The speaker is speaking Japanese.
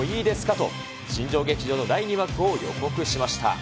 と新庄劇場の第２幕を予告しました。